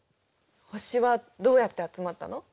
星はどうやって集まったの？